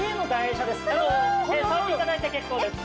触っていただいて結構です。